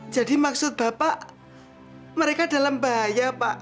jadi maksud bapak mereka dalam bahaya pak